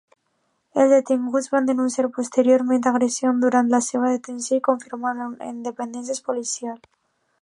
Els detinguts van denunciar posteriorment agressions durant la seva detenció i confinament en dependències policials.